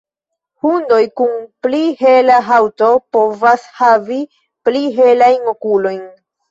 Hundoj kun pli hela haŭto povas havi pli helajn okulojn.